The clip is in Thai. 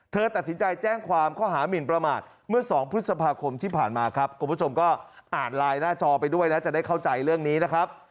เธอตัดสินใจแจ้งความข้อหามินประมาทเมื่อ๒พฤษภาคมที่ผ่านมาครับคุณผู้ชมก็อ่านไลน์หน้าจอไปด้วยนะจะได้เข้าใจเรื่องนี้นะครับ